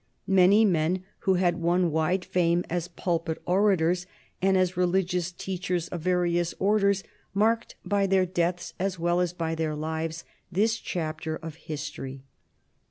Many men who had won wide fame as pulpit orators and as religious teachers of various orders marked by their deaths as well as by their lives this chapter of history.